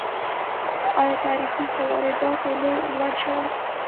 آیا تعرفې په وارداتو لوړې شوي؟